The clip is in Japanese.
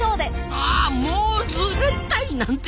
あもずれったい！なんて。